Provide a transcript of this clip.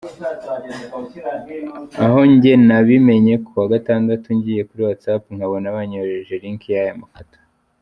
naho njye nabimenye kuwa Gatandatu ngiye kuri Whatsapp nkabona banyoherereje link ya ya Foto.